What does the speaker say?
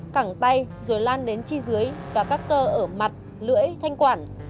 cẳng tay rồi lan đến chi dưới và các cơ ở mặt lưỡi thanh quản